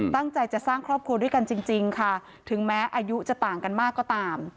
ตั้งใจจะสร้างครอบครัวด้วยกันจริงค่ะถึงแม้อายุจะต่างกันมากก็ตาม